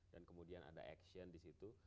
dan kemudian ada action di situ